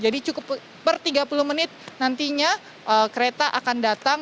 jadi cukup per tiga puluh menit nantinya kereta akan datang